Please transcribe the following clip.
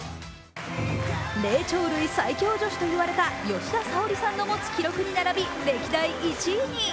霊長類最強女子と言われた吉田沙保里さんが持つ記録に並び歴代１位に。